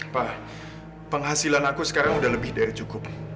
pak penghasilan aku sekarang sudah lebih dari cukup